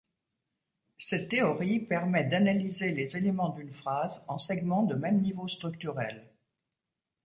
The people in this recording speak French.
Cette théorie permet d'analyser les éléments d'une phrase en segments de même niveau structurel.